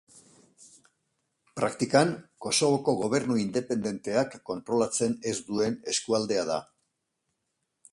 Praktikan, Kosovoko gobernu independenteak kontrolatzen ez duen eskualdea da.